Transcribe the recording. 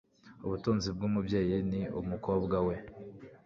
ubutunzi bw'umubyeyi ni umukobwa we